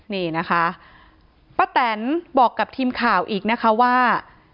นี่นะคะป้าแตนบอกกับทีมข่าวอีกนะคะว่า